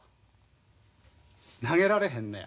投げられへんのや。